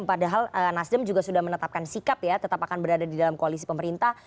padahal nasdem juga sudah menetapkan sikap ya tetap akan berada di dalam koalisi pemerintah